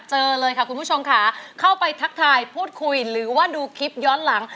เจอเลยค่ะคุณผู้ชมค่ะเข้าไปทักทายพูดคุยหรือว่าดูคลิปย้อนหลัง